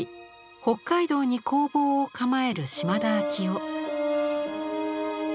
北海道に工房を構える島田晶夫。